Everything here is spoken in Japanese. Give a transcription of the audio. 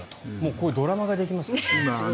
こういうドラマができますね。